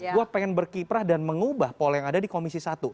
gue pengen berkiprah dan mengubah pola yang ada di komisi satu